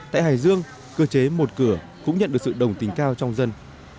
tại hải dương cơ chế một cửa cũng nhận được sự đồng tình cao trong dân